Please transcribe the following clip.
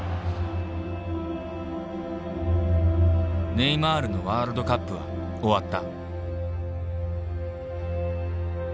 ネイマールのワールドカップは終わった。